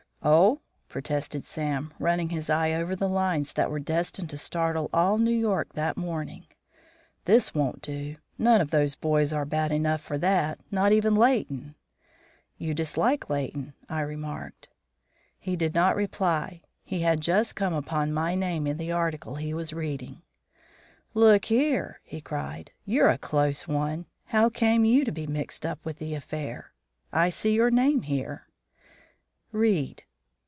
"Oh!" protested Sam, running his eye over the lines that were destined to startle all New York that morning. "This won't do! None of those boys are bad enough for that, not even Leighton." "You dislike Leighton," I remarked. He did not reply; he had just come upon my name in the article he was reading. "Look here!" he cried, "you're a close one. How came you to be mixed up with the affair? I see your name here." "Read!"